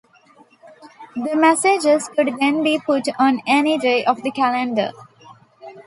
These messages could then be put on any day of the calendar.